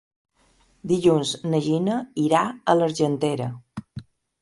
Dilluns na Gina irà a l'Argentera.